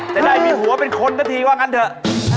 จะได้มีหัวเป็นคนสักทีว่างั้นเถอะ